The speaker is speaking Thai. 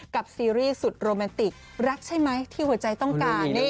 ซีรีส์สุดโรแมนติกรักใช่ไหมที่หัวใจต้องการ